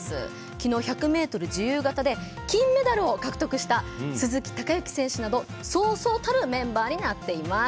きのう１００ｍ自由形で金メダルを獲得した鈴木孝幸選手などそうそうたるメンバーになっています。